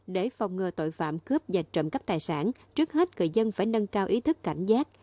để phòng ngừa tội phạm cướp và trộm cắp tài sản trước hết người dân phải nâng cao ý thức cảnh giác